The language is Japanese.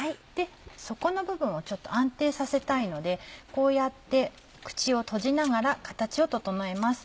底の部分をちょっと安定させたいのでこうやって口を閉じながら形を整えます。